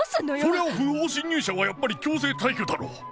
「そりゃあ、不法侵入者はやっぱり強制退去だろ」。